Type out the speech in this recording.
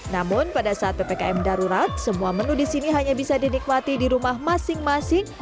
namun pada saat ppkm darurat semua menu di sini hanya bisa dinikmati di rumah masing masing